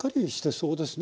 そうですね。